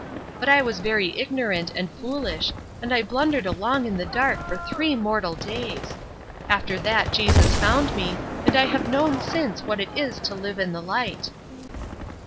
But I was very ignorant, and foolish, and I blundered along in the dark for three mortal days! After that Jesus found me, and I have known since what it is to live in the light."